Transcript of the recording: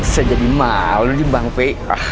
saya jadi malu nih bang fei